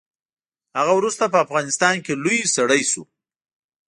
هغه وروسته په افغانستان کې لوی سړی شو.